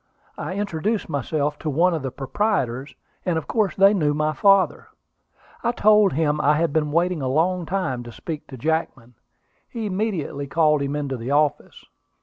I introduced myself to one of the proprietors; and of course they knew my father. I told him I had been waiting a long time to speak to Jackman. He immediately called him into the office.